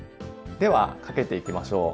ではかけていきましょう。